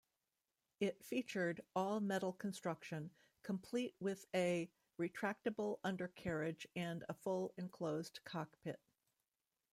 It featured all-metal construction, complete with a retractable undercarriage and a fully enclosed cockpit.